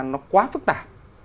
nó quá phức tạp